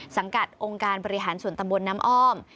สังกัดองค์การบริหารส่วนตำบลน้ำอ้อม